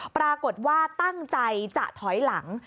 ปรากฏว่าตั้งใจจะถอยหลัง